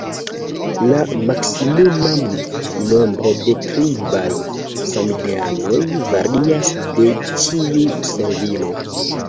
La maksimuma nombro de tribaj samideanoj varias de ĉiu servilo.